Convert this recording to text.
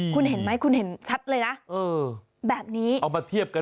คุณเห็นไหมคุณเห็นชัดเลยนะ